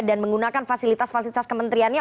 dan menggunakan fasilitas fasilitas kementeriannya